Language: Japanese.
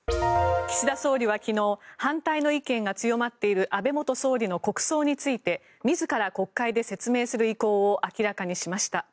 岸田総理は昨日反対の意見が強まっている安倍元総理の国葬について自ら国会で説明する意向を明らかにしました。